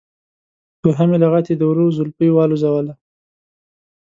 دوهمې لغتې د وره زولفی والوزوله.